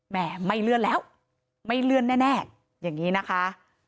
แม่ไม่เลื่อนแล้วไม่เลื่อนแน่อย่างนี้นะคะ